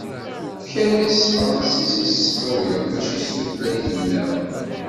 Amek armi s tefransist i tessefruyeḍ mačči s tutlayt-nniḍen?